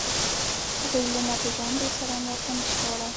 هغوی له ناپېژاندو سره مرسته نهشي کولی.